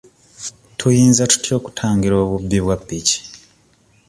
Tuyinza tutya okutangira obubbi bwa ppiki?